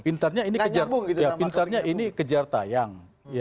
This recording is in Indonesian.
pintarnya ini kejar tayang